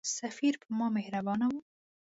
سفیر پر ما مهربان وو.